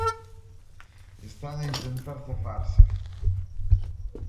Están a intentar zafarse.